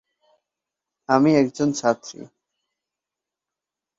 আমি একজন ছাত্রী।